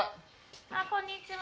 あっこんにちは。